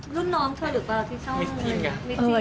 รุ่นน้องเธอหรือเปล่าที่ช่อง